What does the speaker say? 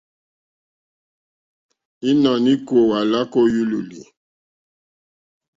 Ínɔ̀ní íkòòwà lǎkà ó yúlòlì.